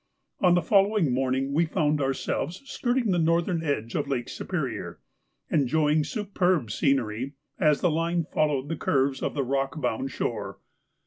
On the following morning we found ourselves skirting the northern edge of Lake Superior, enjoying superb scenery as the line followed the curves of the rock bound shore.